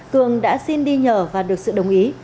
cường đã xin đi nhờ và được sự đồng ý